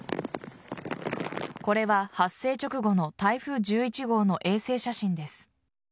これは発生直後の台風１１号の衛星写真です。